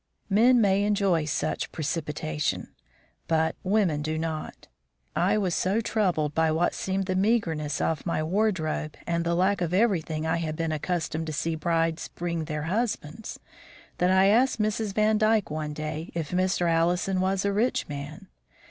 Men may enjoy such precipitation, but women do not. I was so troubled by what seemed the meagerness of my wardrobe and the lack of everything I had been accustomed to see brides bring their husbands, that I asked Mrs. Vandyke one day if Mr. Allison was a rich man.